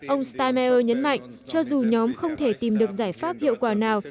ông stemmeer nhấn mạnh cho dù nhóm không thể tìm được giải pháp hiệu quả nào